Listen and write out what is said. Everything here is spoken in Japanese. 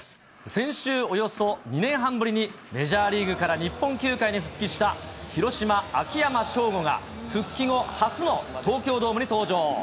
先週、およそ２年半ぶりにメジャーリーグから日本球界に復帰した広島、秋山翔吾が復帰後初の東京ドームに登場。